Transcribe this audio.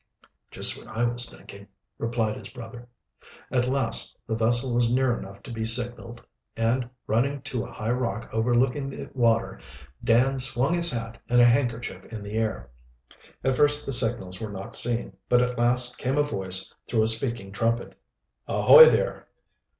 "Just what I was thinking," replied his brother. At last the vessel was near enough to be signaled, and, running to a high rock overlooking the water, Dan swung his hat and a handkerchief in the air. At first the signals were not seen, but at last came a voice through a speaking trumpet. "Ahoy, there!"